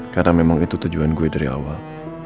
karena memang itu tujuan gue dari awal